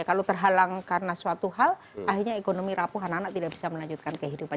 kalau terhalang karena suatu hal akhirnya ekonomi rapuh anak anak tidak bisa melanjutkan kehidupan